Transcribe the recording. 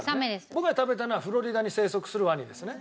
僕が食べたのはフロリダに生息するワニですね。